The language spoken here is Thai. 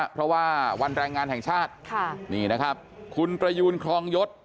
เพราะว่าวันแรงงานแห่งชาติคุณประยูนคลองยศ